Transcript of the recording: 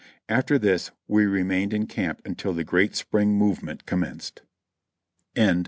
After this we remained in camp until the great spring move ment commenced.